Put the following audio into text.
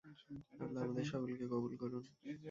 আল্লাহ আমাদের সকলকে কবুল করুন।